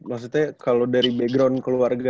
maksudnya kalo dari background keluarga gitu ya